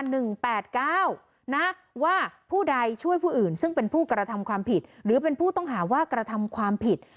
หนึ่งแปดเก้านะว่าผู้ใดช่วยผู้อื่นซึ่งเป็นผู้กระทำความผิดหรือเป็นผู้ต้องหาว่ากระทำความผิด